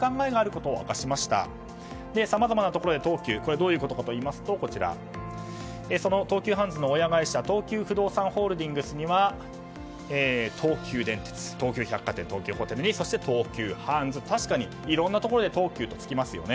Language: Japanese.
どういうことかといいますとその東急ハンズの親会社東急不動産ホールディングスには東急電鉄、東急百貨店東急ホテルそして東急ハンズといろいろなところで東急ってつきますよね。